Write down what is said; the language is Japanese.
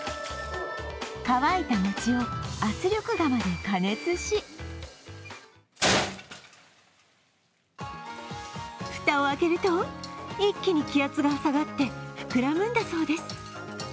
乾いた餅を圧力釜で加熱し蓋を開けると、一気に気圧が下がって、膨らむんだそうです。